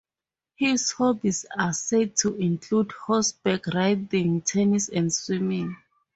His hobbies are said to include horseback riding, tennis and swimming.